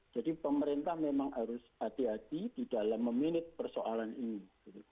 jadi pemerintah memang harus hati hati di dalam meminit persoalan ini